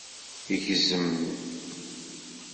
Gzem.